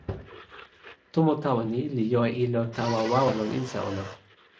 tomo tawa ni li jo e ilo tawa wawa lon insa ona.